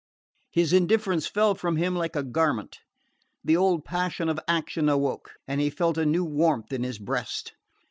His indifference fell from him like a garment. The old passion of action awoke and he felt a new warmth in his breast.